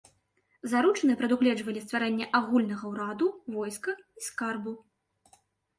Заручыны прадугледжвалі стварэнне агульнага ўраду, войска і скарбу.